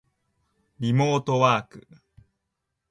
リモートワーク